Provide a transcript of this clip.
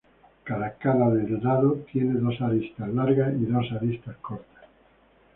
Cada cara del dado tiene dos aristas largas y dos aristas cortas.